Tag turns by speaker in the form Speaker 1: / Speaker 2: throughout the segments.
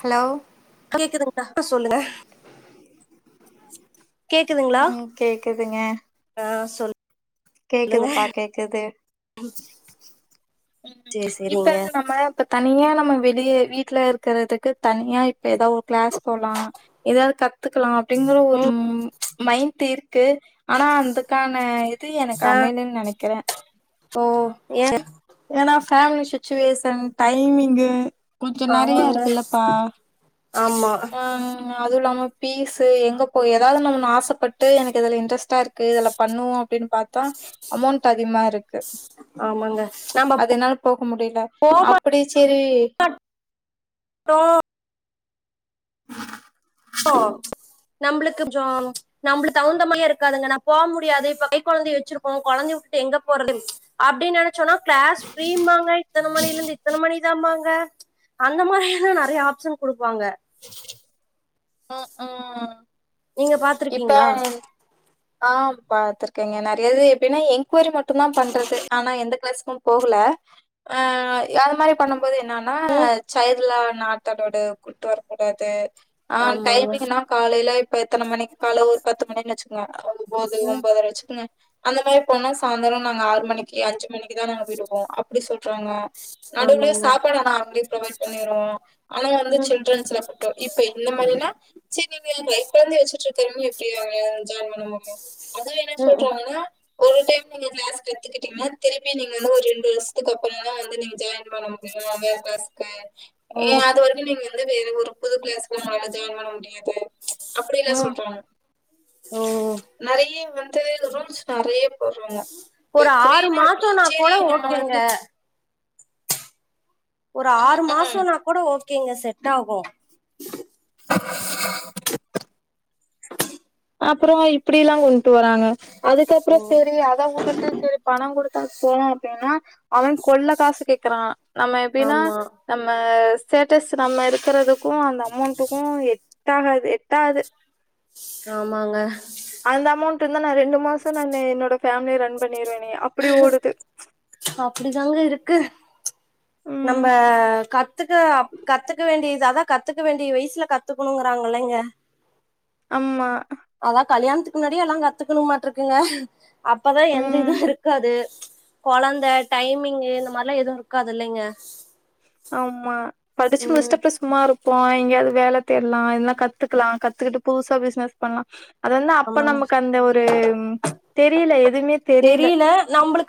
Speaker 1: Hello
Speaker 2: கேக்குதுங்களா மட்டும் சொல்லுங்க கேக்குதுங்களா?
Speaker 1: ம் கேக்குதுங்க
Speaker 2: ஆ சொல்
Speaker 1: கேக்குதுப்பா கேக்குது ம்
Speaker 2: சேரி
Speaker 1: இப்ப
Speaker 2: சேரிங்க
Speaker 1: நம்ம இப்ப தனியா நம்ம வெளிய வீட்ல இருக்கிறதுக்கு தனியா இப்ப ஏதாவது ஒரு கிளாஸ் போலா ஏதாவது கத்துக்கலாம் அப்டிங்குற ஒரு
Speaker 2: ம்
Speaker 1: மைண்ட் இருக்கு ஆனா அதுக்கான இது எனக்கு
Speaker 2: ச
Speaker 1: அமையலன்னு நெனைக்கிறே
Speaker 2: ஓ ஏன்
Speaker 1: ஏன்னா ஃபேமிலி சிட்ச்சுவேஷன் டைமிங்கு கொஞ்சோ நறைய
Speaker 2: ஆமாங்க
Speaker 1: இருக்குல்லப்பா
Speaker 2: ஆமா
Speaker 1: ஆ அதுவும் இல்லாம பீஸ்சு எங்க போய் ஏதாவது நம்ம ஆசப்பட்டு எனக்கு எதுல இன்ட்ரெஸ்டா இருக்கு இதுல பண்ணுவோம் அப்டின்னு பார்த்தா அமௌண்ட் அதிகமா இரு க்கு
Speaker 2: ஆமாங்க நம்ம
Speaker 1: அது என்னால போக முடில அப்டி சேரி
Speaker 2: ஆ அ நம்மளுக்கு ஜாம் நம்பளுக்கு தகுந்தமையே இருக்காதுங்க நான் போ முடியாது இப்ப கை கொழந்தை வச்சிருக்கோம் கொழந்தைய விட்டுட்டு எங்க போறது அப்டின்னு நினைச்சோன்னா கிளாஸ் ஃப்ரீம்பாங்க இத்தன மணில இருந்து இத்தன மணி தாம்பாங்க அந்த மாரியெல்லாம் நறைய ஆப்ஷன் குடுப்பாங்க.
Speaker 1: அ ஆ
Speaker 2: நீங்க
Speaker 1: இப்ப
Speaker 2: பாத்துருக்கீங்களா
Speaker 1: ஆ பாத்துருக்கேங்க நறையது எப்டினா என்கோரி மட்டும் தான் பண்றது ஆனா எந்த கிளாஸுக்கும் போகல அ அது மாரி பண்ணும் போது என்னன்னா சைல்டுலா நாட் அலோடு கூட்டு வர கூடாது ஆ
Speaker 2: ஆமாங்க
Speaker 1: டைமிங்னா காலைல இப்ப எத்தனை மணிக்கு கால ஒரு பத்து மணிக்கு வச்சுக்கோங்க ஒன்போது
Speaker 2: ம்
Speaker 1: ஒன்போத ரை வச்சுக்கங்க அந்த மேரி போனா சாய்ந்தரம் நாங்க ஆறு மணி ஏ அஞ்சு மணிக்கு தான் நாங்க வீட்டுக்கு போவோம் அப்டி சொல்றாங்க நடுவுலயே
Speaker 2: ஆமாங்க
Speaker 1: சாப்பாடு ஆனா அவங்களே ப்ரொவைட் பண்ணிருவோம் ஆனா வந்து
Speaker 2: ம்
Speaker 1: சில்ட்ரன்ஸ்ல க்கு இப்ப இந்த மாரினா சேரி நீங்க கை கொழந்தய வச் தெரிஞ்சி எப்டிங்க ஜாயின் பண்ண முடியும் அதுவும் என்ன
Speaker 2: ம் ம்
Speaker 1: சொல்றாங்கன்னா ஒரு டைம் நீங்க கிளாஸ் கத்துக்கிட்டீங்கன்னா திருப்பி நீங்க வந்து ஒரு ரெண்டு வருஷ த்துக்கு அப்பறோ தான் வந்து நீங்க ஜாயின் பண்ண முடியும் அந்த கிளாஸ்ல
Speaker 2: ஓ
Speaker 1: ஏ அது வரைக்கும் நீங்க வந்து வேற ஒரு புது கிளாஸ் உங்களால ஜாயின் பண்ண முடியாது அப்டி எல்லாம்
Speaker 2: ம்
Speaker 1: சொல்றாங்க
Speaker 2: ம்
Speaker 1: நறைய வந்து இந்த ரூல்ஸ் நறைய போடுறாங்க
Speaker 2: ஒரு ஆறு
Speaker 1: எப்டினா
Speaker 2: மாசோனா
Speaker 1: சேரி
Speaker 2: கூட
Speaker 1: நம்ம
Speaker 2: ஓகேங்க
Speaker 1: வந்து
Speaker 2: ஒரு
Speaker 1: ம்,
Speaker 2: ஆறு
Speaker 1: ம்.
Speaker 2: மாசம்னா கூட ஓகேங்க செட் ஆகும்
Speaker 1: அப்பறோ இப்டி எல்லாம் கொண்ட்டு வராங்க அதுக்கப்புறம் சேரி அத உட்டுட்டு சேரி பணம் கொடுத்தா போனோம் அப்டின்னா அவன் கொள்ள காசு கேக்குறான் நம்ம எப்டின்னா
Speaker 2: ஆமா
Speaker 1: நம்ம ஸ்டேட்டஸ் நம்ம இருக்குறதுக்கு அந்த அமௌண்ட்டுக்கு எட்ட ஆகா எட்டாது
Speaker 2: ஆமாங்க
Speaker 1: அந்த அமௌண்ட் இருந்தா நா ரெண்டு மாசோ நானு என்னோட ஃபேமிலிய ரன் பண்ணிருவேனே அப்டி ஓடுது
Speaker 2: அப்டிதாங்க இருக்கு நம்ப
Speaker 1: ம்
Speaker 2: கத்துக்க கத்துக்க வேண்டியது அதா கத்துக்க வேண்டிய வய்சுல கத்துக்குணுங்றாங்கல்லங்க
Speaker 1: ஆமா
Speaker 2: அதா கல்யாண்த்துக்கு முன்னாடியே எல்லா கத்துக்குணுமாட்ருக்குங்க அப்பதா எந்த
Speaker 1: ம்
Speaker 2: இது இருக்காது கொழந்த டைமிங்கு இந்த மாரிலா எதுவு இருக்காதில்லைங்க
Speaker 1: ஆமா படிச்சு முச்சுட்டு அப்டியே சும்மா இருக்கோ எங்கியாது வேல தேட்லா இல்னா கத்துக்குலா கத்துக்கிட்டு புதுசா பிஸ்னஸ் பண்லா அது வந்து அப்ப
Speaker 2: ஆமாங்க
Speaker 1: நமக்கு அந்த ஒரு தெரில எதுமே தெரில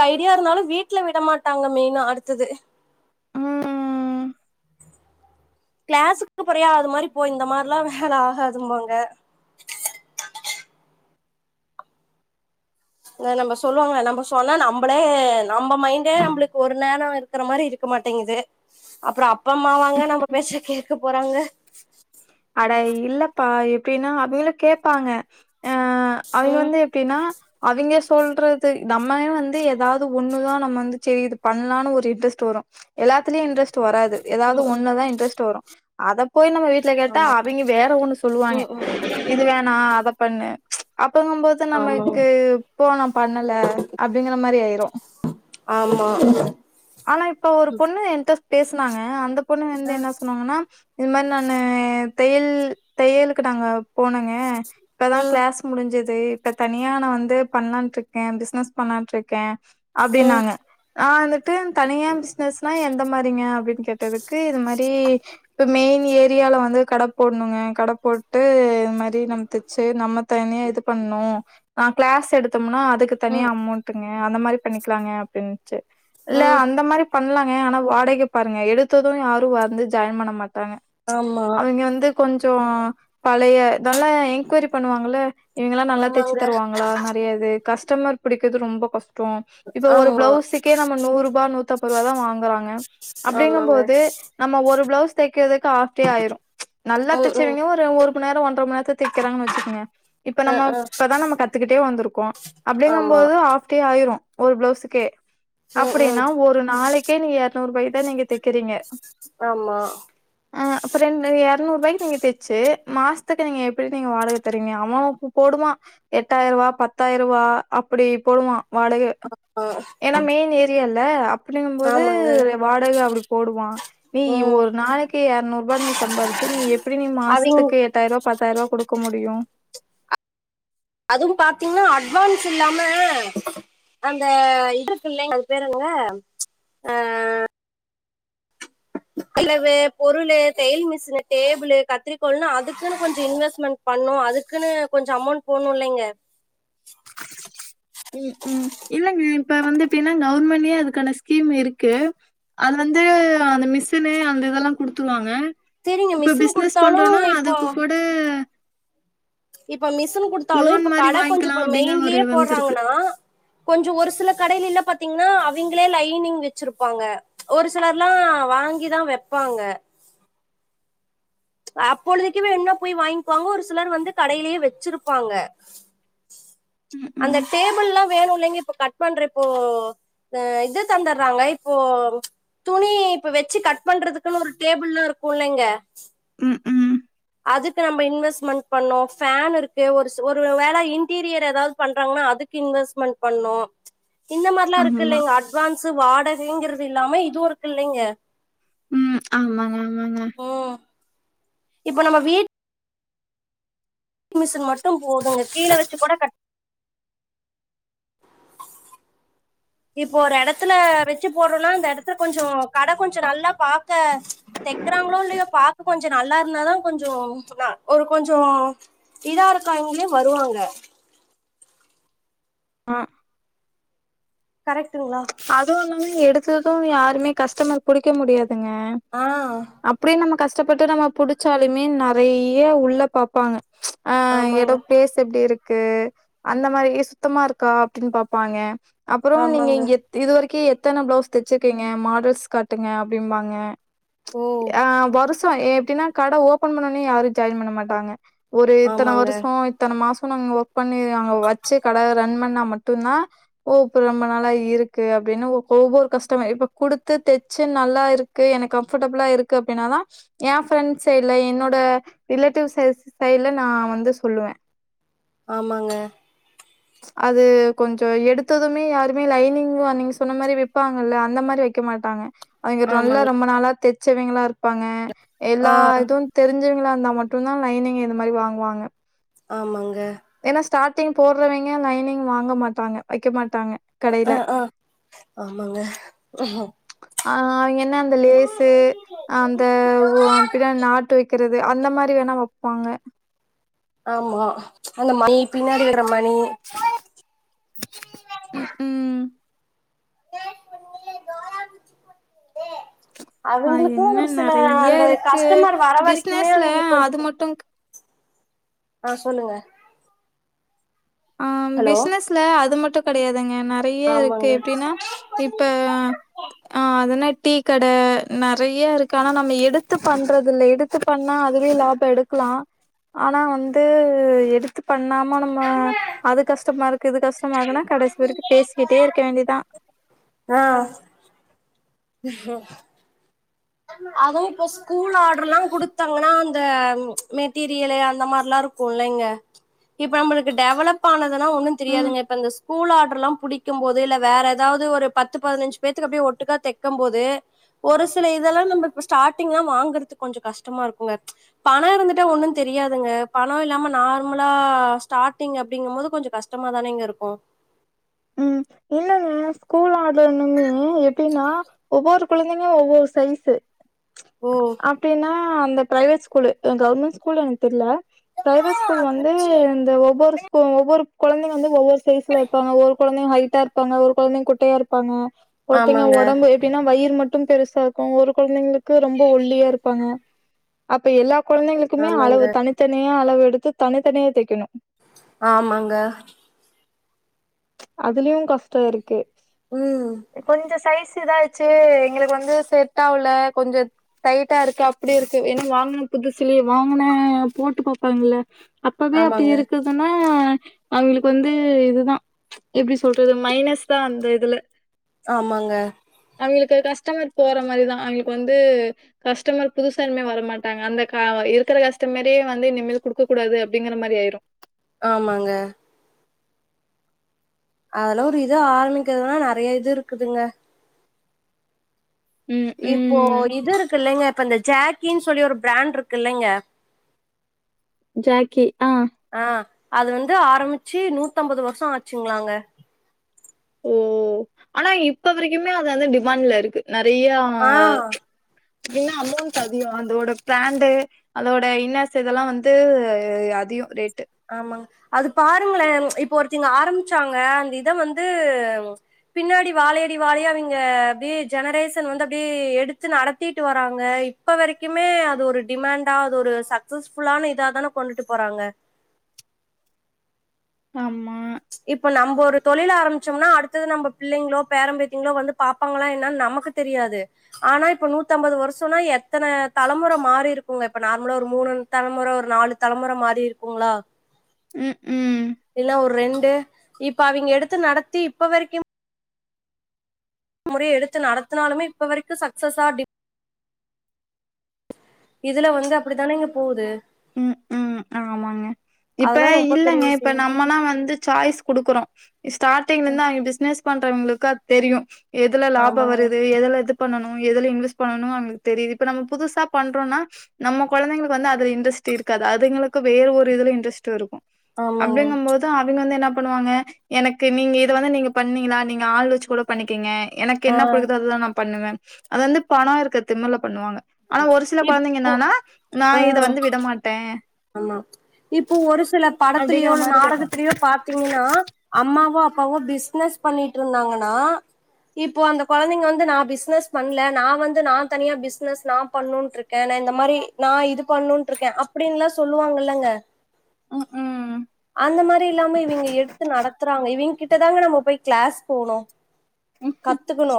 Speaker 2: தைரியோ இருந்தாலு வீட்ல விட மாட்டாங்க மெயினா அடுத்தது
Speaker 1: ம்
Speaker 2: கிளாஸுக்கு போறியா அது மாரி போ இந்த மாரில்லா வேல ஆகாதும்பாங்க ஆ நம்ப சொல்வம்ல நம்ப சொன்னா நம்ளே நம்ப மைண்டே நம்ளுக்கு ஒரு நேரோ இருக் இருக்குற மாரி இருக்க மாட்டேங்குது அப்றோ அப்பா அம்மாவாங்க நம்ம பேச்ச கேக்க போறாங்க
Speaker 1: அட இல்லப்பா எப்டின்னா அப்பில்லா கேப்பாங்க அ அவிங்க
Speaker 2: ம்
Speaker 1: வந்து எப்டின்னா அவிங்க சொல்றது நம்லே வந்து எதாது ஒன்னு தா நம்ம வந்து செரி இது பண்லான்னு ஒரு இன்ட்ரெஸ்ட் வரு எல்லாத்துலயு இன்ட்ரஸ்ட் வராது எதாது
Speaker 2: ம் ம்
Speaker 1: ஒன்ல தா இன்ட்ரஸ்ட் வரு அத போய் நம்ம வீட்ல த்தா
Speaker 2: ஆமா
Speaker 1: அவிங்க வேற ஒன்னு சொல்லுவாய்ங்க
Speaker 2: ம் ம்
Speaker 1: இது வேணா அத பண்ணு அப்பங்கும்போது தா நமக்கு போ நா பண்ணல அப்டிங்கற மாரி ஆயிரு
Speaker 2: ஆமா
Speaker 1: ஆனா இப்ப ஒரு பொண்ணு என்ட்ட பேஸ்னாங்க அந்த பொண்ணு வந்து என்ன சொன்னாங்கனா இது மேரி நானு தையல் தையலுக்கு நாங்க போனங்க
Speaker 2: ம்
Speaker 1: இப்பதா
Speaker 2: ம்
Speaker 1: கிளாஸ் முடிஞ்சிது இப்ப தனியா நா வந்து பண்லான்ருக்கே பிஸ்னஸ் பண்லான்ட்ருக்கே
Speaker 2: ம்
Speaker 1: அப்டின்னாங்க நா வந்துட்டு தனியா பிஸ்னஸ்னா எந்த மாரிங்க அப்டின் கேட்டதுக்கு இது மாரி இப்ப மெயின் ஏரியால வந்து கட போட்ணுங்க கட போட்டு இது மாரி நம்ம தச்சு நம்ம தனியா இது பண்ணு ஆ கிளாஸ் எடுத்தம்னா அதுக்கு
Speaker 2: ம்
Speaker 1: தனியா அமௌண்ட்டுங்க அந்த மாரி பண்ணிக்லாங்க அப்டின்ச்சு இல்ல
Speaker 2: ஆமா
Speaker 1: அந்த மாரி பண்லாங்க ஆனா வாடகை பாருங்க எடுத்தது யாரு வந்து ஜாயின் பண்ண மாட்டாங்க
Speaker 2: ஆமாங்க
Speaker 1: அவிங்க வந்து கொஞ்சோ பழைய நல்லா என்குயரி பண்ணுவாங்கல இவங்கலா நல்லா தைச்சு
Speaker 2: ஆமா
Speaker 1: தருவாங்களா நறைய இது கஸ்டமர் புடிக்கர்து ரொம்ப கஷ் டோ இப்போ ஒரு பிளவ்ஸுக்கே நம்ம நூறுபா நூத்தம்பருபா தா வாங்குறாங்க அப்டிங்கம்போது நம்ம ஒரு பிளவுஸ் தைக்கிறதுக்கு ஆஃப் டே ஆயிரு நல்லா
Speaker 2: ஆமாங்க ம் ம்
Speaker 1: தைச்சவங்க ஒரு மண் நேரோ ஒன்ற மண் நேரத்துல தைக்கிறாங்க வச்சுக்குங்க இப்ப
Speaker 2: அ
Speaker 1: நம்ம
Speaker 2: அ
Speaker 1: இப்பதா நம்ம கத்துக்கிட்டே வந்துருக்கோ
Speaker 2: ஆமா
Speaker 1: அப்டிங்கம்போது தா ஆஃப் டே ஆயிரு ஒரு பிளவுஸ்க்கே
Speaker 2: ம் ம்
Speaker 1: அப்படின்னா ஒரு நாளைக்கே நீங்க எரநூற்பாய்க்கு தா நீங்க தைக்குறீங்க
Speaker 2: ஆமா
Speaker 1: ஆ அப்பறன் நீங்க எரநூற்வாய்க்கு நீங்க தேச்சு மாசத்துக்கு நீங்க எப்டி நீங்க வாடக தருவிங்க [unintelligible] எட்டாய்ருவா பத்தாய்ருவா அப்டி போடுவான் வாடகே
Speaker 2: ஆமா
Speaker 1: ஏன்னா மெயின் ஏரியால அப்டிங்கபோது
Speaker 2: ஆமாங்க
Speaker 1: வாடக அப்டி போடுவா நீ்
Speaker 2: ம்
Speaker 1: ஒரு நாளைக்கு இரனூறுபா நீ சம்பாரிச்சு நீ எப்டி நீ
Speaker 2: அவிங்
Speaker 1: மாசத்துக்கு எட்டாயிருபா பத்தாயிருபா குடுக்க முடியு
Speaker 2: அதுவு பாத்தீங்கனா அட்வான்ஸ் இல்லாம அந்த இன்ட்ரஸ்ட் இல்ல அது பேர் என்னங்க ஆ அஹ கிளவு பொருளு தயில் மிஷின் டேபிள் கத்திரிக்கோள்னு அதுக்குன் கொஞ்சோ இன்வெஸ்ட்மெண்ட் பண்ணு அதுக்குன் கொஞ்சோ அமௌண்ட் போட்ணுல்லைங்க
Speaker 1: ம் ம் இல்லங்க இப்ப வந்து எப்டின்னா கவர்மெண்ட்லயே அதுக்கான ஸ்கீம் இருக்கு அது வந்து அந்த மிசினு அந்த இதெல்லா குடுத்துருவாங்க
Speaker 2: சரிங்க
Speaker 1: இப்ப
Speaker 2: மிஷின்
Speaker 1: பிசினஸ்
Speaker 2: குடுத்தாலு
Speaker 1: பண்றோனா
Speaker 2: இப்போ
Speaker 1: அதுக்கு கூட
Speaker 2: இப்ப மிஷின் குடுத்தாலு
Speaker 1: லோன்
Speaker 2: இப்ப
Speaker 1: மாரி
Speaker 2: கடை கொஞ்சோ
Speaker 1: வாங்கிக்கலாம்
Speaker 2: இப்ப
Speaker 1: அப்படிங்கிற ஒரு
Speaker 2: மெயின்லயே
Speaker 1: வந்திருக்கு.
Speaker 2: போடுறாங்கனா கொஞ்சோ ஒரு சில கடைலல்ல பாத்தீங்கனா அவிங்களே லைனிங் வச்சிருப்பாங்க ஒரு சிலர்லா வாங்கிதா வப்பாங்க அப்பொழுதைக்குவேன்னா போய் வாங்கிக்குவாங்க ஒரு சிலர் வந்து கடைலயே வச்சிருப்பாங்க
Speaker 1: ம்,
Speaker 2: அந்த
Speaker 1: ம்.
Speaker 2: டேபிள்ல்லா வேணுல்லைங்க இப்போ கட் பண்றப்போ இது தந்துறாங்க இப்போ துணி இப்ப வச்சு கட் பண்றதுக்குன் ஒரு டேபிள்னு இருக்குல்லங்க
Speaker 1: ம் ம்
Speaker 2: அதுக்கு நம்ம இன்வெஸ்ட்மெண்ட் பண்ணு ஃபேன் இருக்கு ஒரு ஒரு வேலை இன்டீரியர் எதாவது பண்றாங்கன்னா அதுக் கு இன்வெஸ்ட்மெண்ட் பண்ணு இந்த மாரில்லா
Speaker 1: ஆமா.
Speaker 2: இருக்குல்லங்க அட்வான்ஸ் வாடகைங்கிறது இல்லாம இதுவு இருக்குல்லங்க
Speaker 1: ம் ஆமாங்க ஆமாங்க
Speaker 2: ஓ இப்போ நம்ம வீட் மிஷின் மட்டு போது கீழ வச்சு கூட கட் இப்போ ஒரு இடத்துல வச்சு போடுறோனா அந்த இடத்துல கொஞ்சோ கடை கொஞ்சோ நல்லா பாக்க தைக்குறாங்களோ இல்லயோ பாக்க கொஞ்சோ நல்லா இருந்தாதா கொஞ்சோ ஒரு கொஞ்சோ இதா இருக்காங்களே வருவாங்க
Speaker 1: ஆ
Speaker 2: கரெக்டுங்ளா
Speaker 1: அதுவு இல்லாம எடுத்தது யாருமே கஸ்டமர் புடிக்க முடியாதுங்க
Speaker 2: ஆ
Speaker 1: அப்டியே நம்ம கஷ்டப்பட்டு நம்ம புடிச்சாலுமே நெறைய உள்ள பாப்பாங்க ஆ எடோ
Speaker 2: ஆமாங்க
Speaker 1: பிளேஸ் எப்டி இருக் இருக்கு அந்த மாரி சுத்தமா இருக்கா அப்டின் பாப்பாங்க அப்பற நீங்க
Speaker 2: ஆமாங்க
Speaker 1: இங்க இது வரைக்கு எத்தன பிளவுஸ் தச்சிருக்கீங்க மாடல்ஸ் காட்டுங்க அப்டிம்பாங்க
Speaker 2: ஓ
Speaker 1: அ வருஷ எப்டின்னா கடை ஓப்பன் பண்ணோனே யாரு ஜாயின் பண்ண மாட்டாங்க ஒரு இத்தன
Speaker 2: ஆமாங்க
Speaker 1: வருஷ இத்தன மாச நாங்க ஒர்க் பண்ணி அங்க வச்சு கடை ரன் பண்ணா மட்டுதா ஓ அப்ப ரொம்ப நாளா இருக் கு அப்டின்னு ஒவ்வொரு கஷ்டமர் இப்ப குடுத்து தச்சு நல்லா இருக்கு எனக்கு கம்ஃபர்டபிளா இருக்கு அப்டின்னாதா என் ஃப்ரெண்ட்ஸ் சைட்ல என்னோட ரிலேட்டிவ் ச சைட்ல நா வந்து சொல்லுவ
Speaker 2: ஆமாங்க
Speaker 1: அது கொஞ்சோ எடுத்ததுமே யாருமே லைனிங் நீங்க சொன்ன மாரி வப்பாங்கல்ல அந்த மாரி வக்க மாட்டாங்க அவ்ங்க நல்லா
Speaker 2: ஆமாங்க
Speaker 1: ரொம்ப நாளா தச்சவங்களா இரு ப்பாங்க
Speaker 2: ஆ
Speaker 1: எல்லா இதுவு தெரிஞ்சவங்களா இருந்தா மட்டம்தா லைனிங்க இந்த மாரி வாங்குவாங்க
Speaker 2: ஆமாங்க
Speaker 1: ஏன்னா ஸ்டார்ட்டிங் போடுறவங்க லைனிங் வாங்க மாட்டாங்க வைக்க மாட்டாங்க கடையில.
Speaker 2: ஆ ஆ ஆமாங்க
Speaker 1: அ அவங்க என்ன அந்த லேசு அந்த ஒ பின்ன நாட்டு வைக் கிறது அந்த மாரி வேணா வைப்பாங்க
Speaker 2: ஆமா அந்த மணி பின்னாடி கட்டுற மணி
Speaker 1: ம் ம் ஆ
Speaker 2: அவங்களுக்கு
Speaker 1: என்ன
Speaker 2: ஒரு சில
Speaker 1: நெறைய
Speaker 2: அந்த
Speaker 1: இருக்கு.
Speaker 2: கஸ்டமர் வர வரைக்குமே
Speaker 1: பிசினஸ்ல
Speaker 2: அவங்களுக்கு கொஞ்சோ
Speaker 1: அது மட்டும்
Speaker 2: ஆ சொல்லுங்க
Speaker 1: ஆ
Speaker 2: ஹலோ
Speaker 1: பிசினஸ்ல அது மட்டும் கெடையாதுங்க நெறையா இருக்கு
Speaker 2: ஆமாங்க
Speaker 1: எப்டின்னா இப்ப ஆ அதனா டீ கடை நெறையா இருக்கு ஆனா நம்ம எடுத்து பண்றது இல எடு த்து பண்ணா அதுவே லாப எடுக்கலா ஆனா வந்து எடுத் பண்ணாமோ நம்ம அது கஷ்டமா இருக்கு இது கஷ் டமானதுனா கடைசி வரைக்கு பேசிக்கிட்டே இருக்க வேண்டியதா
Speaker 2: ஆ அவுங்க இப்போ ஸ்கூல் ஆர்டர் எல்லா குடுத்தாங்கன்னா அந்த ச்சு மெட்டீரியல அந்த மாதிரல்லா இருக்கு புள்ளைங்க இப்ப நம்மளுக்கு டெவலப் ஆனதுனா ஒன்னு
Speaker 1: ம்
Speaker 2: தெரியாதுங்க இப்ப இந்த ஸ்கூல் ஆர்டல்லா புடிக் க்கும் போது இல்ல வேற ஏதாவது ஒரு பத்து பதினஞ்சு பேத்துக்கு அப்டியே ஒட்டுக்கா தைக்கும் போது ஒரு சில இதெல்லா நம்ம இப்ப ஸ்டார்டிங் லா வாங்குறது கொஞ்சோ கஷ்டமா இருங்க ச்சு பணம் இருந்துட்டா ஒன்னு தெரியாதுங்க பணம் இல்லாம நார்மலா ஸ்டார்டிங் அப்டிங்கு போது கொஞ்சோ கஷ் கஷ்டமா தானேங்க இருக்கு
Speaker 1: ம் இல்லாம்மா ஸ்கூல் ஆர்டருமே எப்டின்னா ஒவ்வொரு கொழந்தைங்கைலும் ஒவ்வொரு சைஸு ச்சு
Speaker 2: ஓ
Speaker 1: அப்டின்னா அந்த பிரைவேட் ஸ்கூல்லு கவர்மெண்ட் ஸ்கூல்லு எனக்கு தெரியில பிரைவேட் ஸ்கூல் வந்து இந்த ஒவ்வொரு ஸ்கூல் ஒவ்வொரு கொழந்தைங்க வந்து ஒவ்வொரு சைஸ்ல இருப்பாங்க ஒரு கொழந்தைங்க ஹைட்டா இருப்பாங்க ஒரு கொழந்தைங்க குட்டையா இருப்பங்க ஒருத்தங்க
Speaker 2: ஆமாங்க
Speaker 1: ஒடம்பு பின்ன வயிறு மட்டும் பெருசா இருக்கு ஒரு கொழந்தைங்களுக்கு ரொம்ப ஒல்லியா இருப்பாங்க அப்ப எல்லா கொழந்தைங்களுக்குமே
Speaker 2: ஆமாங்க
Speaker 1: அளவு தனித்தனியே அளவு எடுத்து தனித்தனியே தைக்கணு
Speaker 2: ஆமாங்க
Speaker 1: அதுலயு கஷ்டம் இருக்கு
Speaker 2: ம்
Speaker 1: கொஞ்சோ இது ஆயிடு ச்சு எங்களுக்கு வந்து செட்டவள கொஞ்சோ டைட்டா இருக்கு அப்டி இருக்கு ஏன்னா வாங்கின புதுசுலியே வாங்கன போட்டு பாப்பாங்கள அப்பவே அப்டி
Speaker 2: ஆமாங்க
Speaker 1: இருக்குதுன்னா அவங்களுக்கு வந்து இதுதா எப்டி சொல்றது மைனஸ் தா அந்த இதுல
Speaker 2: ஆமாங்க
Speaker 1: அவங்ளுக்கு கஸ்டமர் போற மாரிதா அவங்ளுக்கு வந்து கஸ்டமர் புதுசா இனிமே வரமாட்டாங்க அந்த க இருக்கிற கஸ்டமரே வந்து இனிமேல் குடுக்க கூடாது அப்டிங்கிற மாதிரி ஆயிரு
Speaker 2: ஆமாங்க அதெல்லா ஒரு இத ஆரம்பிக்கிறதுன்னா நெறையா இது இருக்குதுங்க
Speaker 1: ம் ம்
Speaker 2: இப்போ இது இருக்கு இல்லைங்க இப்ப இந்த ஜாக்கின்னு சொல்லி ஒரு பிராண்ட் இருக்கு இல்லைங்க
Speaker 1: ஜாக்கி ஆ
Speaker 2: ஆ அது வந்து ஆரம்பிச்சு நூத்தம்பது வருஷோ ஆச்சுங்களாங்க
Speaker 1: ஓ ஆனா இப்ப வரைக்குமே அது வந்து டிமாண்ட்ல இருக்கு நெறையா
Speaker 2: ஆ
Speaker 1: என்னா அமௌண்ட்டு அதிகோ அதோட பிராண்டு அதோட இன்னர்சு இதெல்லா வந்து அதிகோ ரேட்டு
Speaker 2: ஆமாங்க அது பாருங்களே இப்ப ஒரித்தங்க ஆரம்பிச்சாங்க அந்த இத வந்து பின்னாடி வாழையடி வாழையா இவைங்க அப்டே ஜெனரேஷன் வந்து அப்டே எடுத்து நடத்திட்டு வராங்க இப்ப வரைக்குமே அது ஒரு டிமாண்டா அது ஒரு சக்சஸ்ஃபுல்லான இதாதான கொண்டுட்டு போறாங்க
Speaker 1: ஆமா
Speaker 2: இப்ப நம்ப ஒரு தொழில் ஆரமிச்சோம்னா அடுத்தது நம்ப பிள்ளைங்ளோ பேரம்பேத்திங்ளோ வந்து பாப்பாங்களா என்னா நமக்கு தெரியாது ஆனா இப்ப நூத்தம்பது வருஷோன்னா எத்தன தலமொற மாறி இருக்குங்க இப்ப நார்மலா ஒரு மூணு தலமொற ஒரு நாலு தலமொற மாறி இருக்குங்களா
Speaker 1: ம் ம்
Speaker 2: இல்ல ஒரு ரெண்டு இப்ப அவைங்க எடுத்து நடத்தி இப்ப வரைக்கு முறைய எடுத்து நடத்துனாலுமே இப்ப வரைக்கு சக்சஸ்ஸா அப்டி இதுல வந்து அப்படித்தானேங்க போது
Speaker 1: ம் ம் ஆமாங்க இப்ப
Speaker 2: அதெல்லாம் ரொம்ப பெரிய
Speaker 1: இல்லங்க இப்ப
Speaker 2: விஷயம்
Speaker 1: நம்மல்லா வந்து சாய்ஸ் குடுக்குறோ ஸ்டார்ட்டிங்ல இருந்து அவிய்ங்க பிசினஸ் பண்றவங்களுக்கு அது தெரியு எதுல லாபோ
Speaker 2: ஆமாங்க
Speaker 1: வருது எதுல எது பண்ணனு எதுல இன்வெஸ் பண்ணணு அவுங்களுக்கு தெரிது இப்ப நம்ம புதுசா பண்றோன்னா நம்ம கொழந்தைகளுக்கு வந்து அதுல இன்ட்ரெஸ்ட் டு இருக்காது அதுங்களுக்கு வேற ஒரு இதுல இன்ட்ரெஸ்ட்டு இருக்கு
Speaker 2: ஆமாங்க
Speaker 1: அப்டின்கபோது அவிங்க வந்து என்ன பண்ணுவாங்க எனக்கு நீங்க இத வந்து நீங்க பண்ணீங்களா நீங்க ஆள் வச்சு கூட பண்ணிக்கிங்க எனக்கு என்ன
Speaker 2: ஆஹ்
Speaker 1: பிடிக்குதோ அதுதா நா பண்ணுவ அது வந்து பணோ இருக்க திமிர்ல பண்ணுவாங்க ஆனா ஒரு சில கொழந்தைங்க
Speaker 2: இப்போ
Speaker 1: என்னானா நா இத
Speaker 2: ஆஹ்
Speaker 1: வந்து விடமாட்டே
Speaker 2: ஆமா இப்போ ஒரு சில படத்லயோ
Speaker 1: அப்டிங்கிற
Speaker 2: இல்ல
Speaker 1: மாரி வரு
Speaker 2: நாடகத்திலயோ பா த்திங்கன்னா அம்மாவு அப்பாவு பிஸ்னஸ் பண்ணிட்ருந்தாங்கனா இப்போ அந்த கொழந்தைங்க வந்து நா பிஸ்னஸ் பண்ல நா வந்து நா தனியா பிஸ்னஸ் நா பண்ணுறு என்ன இந்த மாரி நா இது பண்ணுன்றுக்கே அப்டின்லா சொல்லுவாங்கல்லங்க
Speaker 1: ம் ம்
Speaker 2: அந்த மாரி இல்லாம இவைங்க எடுத்து நடத்துறாங்க இவங்க கிட் ட தாங்க நம்ம போய் கிளாஸ் போணு
Speaker 1: ம்
Speaker 2: கத்துக்ணு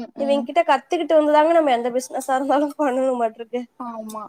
Speaker 1: ம் ம்
Speaker 2: இவைன்கிட்ட கத்துக்கிட் ட வந்துதாங்க நம்ம எந்த பிஸ்னஸா இருந்தாலு பண்ணனுமாற்றுக்கு
Speaker 1: ஆமா